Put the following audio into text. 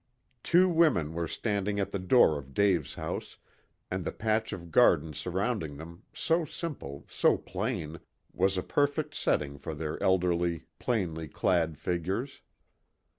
Two women were standing at the door of Dave's house, and the patch of garden surrounding them, so simple, so plain, was a perfect setting for their elderly, plainly clad figures.